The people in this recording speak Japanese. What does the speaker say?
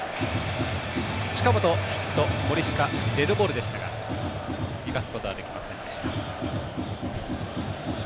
近本、ヒット森下、デッドボールでしたが生かすことはできませんでした。